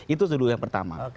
itu dulu yang pertama